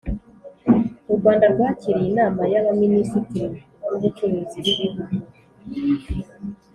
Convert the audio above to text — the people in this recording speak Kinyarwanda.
U Rwanda rwakiriye Inama y Abaminisitiri b ubucuruzi b ibihugu